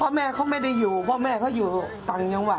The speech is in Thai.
เราเห็นพี่เขาเป็นอย่างไร